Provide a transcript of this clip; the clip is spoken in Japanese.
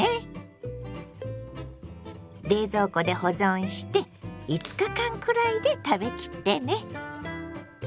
冷蔵庫で保存して５日間くらいで食べ切ってね。